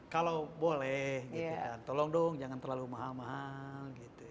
kalau boleh tolong dong jangan terlalu mahal mahal